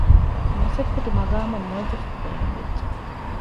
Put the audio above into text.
މަސައްކަތު މަޤާމަށް މުވައްޒަފަކު ބޭނުންވެއްޖެ